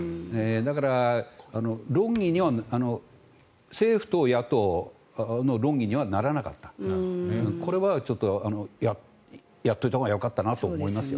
だから、政府と野党の論議にはならなかったこれはやっといたほうがよかったなと思います。